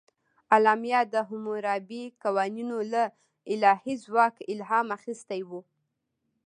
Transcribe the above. اعلامیه د حموربي قوانینو له الهي ځواک الهام اخیستی و.